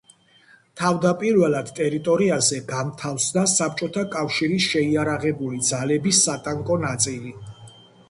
თავდაპირველად ტერიტორიაზე განთავსდა საბჭოთა კავშირის შეიარაღებული ძალების სატანკო ნაწილი.